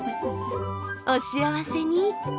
お幸せに。